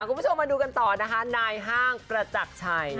คุณผู้ชมมาดูกันต่อนะคะนายห้างประจักรชัย